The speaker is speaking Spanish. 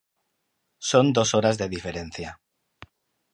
Son dos horas de diferencia.